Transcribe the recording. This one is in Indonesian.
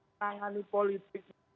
menangani politik itu